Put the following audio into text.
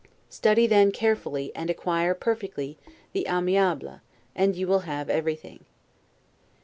Study, then, carefully; and acquire perfectly, the 'Aimable', and you will have everything.